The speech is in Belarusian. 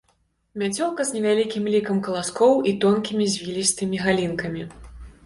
Мяцёлка з невялікім лікам каласкоў і тонкімі звілістымі галінкамі.